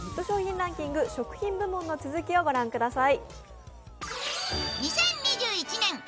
ランキング食品部門の続きを御覧ください。